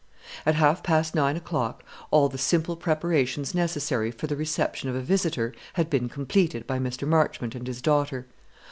At half past nine o'clock, all the simple preparations necessary for the reception of a visitor had been completed by Mr. Marchmont and his daughter.